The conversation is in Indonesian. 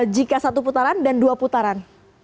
jika satu putaran dan dua putaran